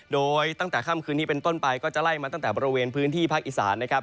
โดยตั้งแต่ค่ำคืนนี้เป็นต้นไปก็จะไล่มาตั้งแต่บริเวณพื้นที่ภาคอีสานนะครับ